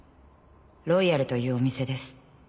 「ロイヤルというお店です。